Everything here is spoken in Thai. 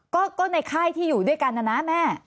ก็ในค่ายที่อยู่ด้วยกันนะนะแม่